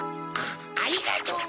ありがとう。